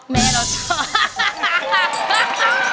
แม่เราชอบ